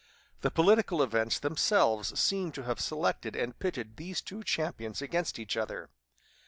The political events themselves seemed to have selected and pitted these two champions against each other.